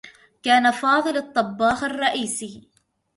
كان فاضل الطّبّاخ الرّئيسي.